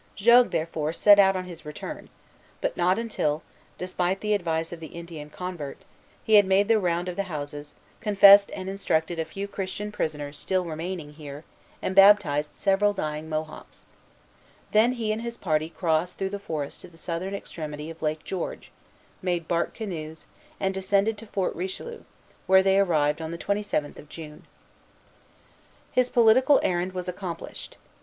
Jogues, therefore, set out on his return; but not until, despite the advice of the Indian convert, he had made the round of the houses, confessed and instructed a few Christian prisoners still remaining here, and baptized several dying Mohawks. Then he and his party crossed through the forest to the southern extremity of Lake George, made bark canoes, and descended to Fort Richelieu, where they arrived on the twenty seventh of June. Lalemant, Relation, 1646, 17. His political errand was accomplished.